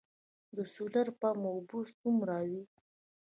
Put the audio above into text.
د سولر پمپ اوبه څومره وي؟